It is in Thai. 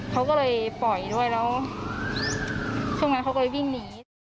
เขาก็เลยปล่อยด้วยแล้วช่วงนั้นเขาก็เลยวิ่งหนี